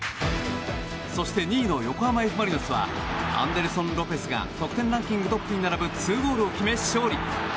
そして２位の横浜Ｆ・マリノスはアンデルソン・ロペスが得点ランキングトップに並ぶ２ゴールを決め勝利。